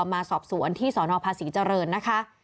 มาสอบสวนที่สนภาษีเจริญนะคะ